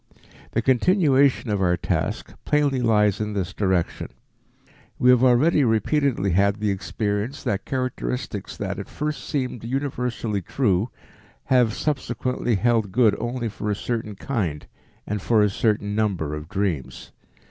The continuation of our task plainly lies in this direction. We have already repeatedly had the experience that characteristics that at first seemed universally true, have subsequently held good only for a certain kind and for a certain number of dreams.